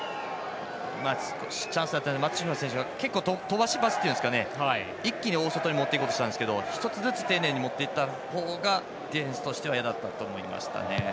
チャンスだったので松島選手が飛ばして一気に大外に持っていこうとしたんですが１つずつ丁寧に持っていった方がディフェンスとしては嫌だったと思いますね。